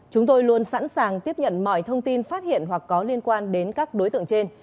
chúng tôi luôn sẵn sàng tiếp nhận mọi thông tin phát hiện hoặc có liên quan đến các đối tượng trên